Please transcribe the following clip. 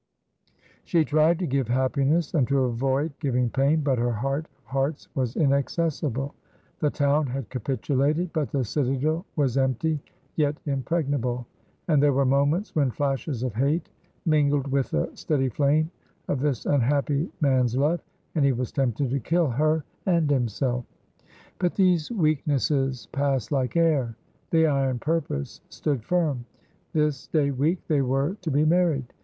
She tried to give happiness and to avoid giving pain, but her heart of hearts was inaccessible. The town had capitulated, but the citadel was empty yet impregnable. And there were moments when flashes of hate mingled with the steady flame of this unhappy man's love, and he was tempted to kill her and himself. But these weaknesses passed like air, the iron purpose stood firm. This day week they were to be married.